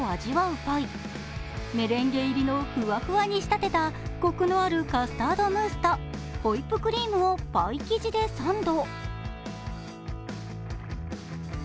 パイメレンゲ入りのフワフワに仕立てたこくのあるカスタードムースとホイップクリームをパイ生地でサンド。